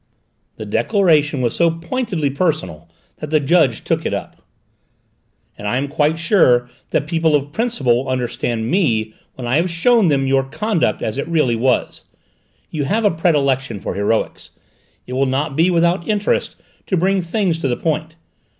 The declaration was so pointedly personal that the judge took it up. "And I am quite sure that people of principle will understand me when I have shown them your conduct as it really was. You have a predilection for heroics; it will not be without interest to bring things to the point.